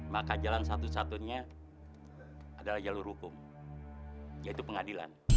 maka jalan satu satunya adalah jalur hukum yaitu pengadilan